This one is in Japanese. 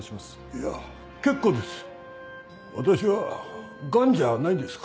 いや結構です